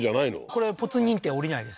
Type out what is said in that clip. これポツン認定下りないです